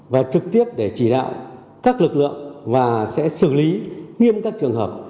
và trực tiếp để chỉ đạo các lực lượng và sẽ xử lý nghiêm các trường hợp